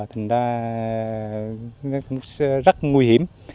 thành ra nó cũng rất nguy hiểm